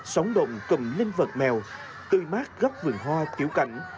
sống động cùng linh vật mèo tươi mát góc vườn hoa tiểu cảnh